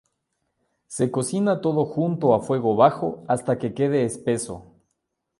Se cocina todo junto a fuego bajo hasta que quede espeso.